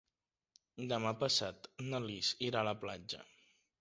Demà passat na Lis irà a la platja.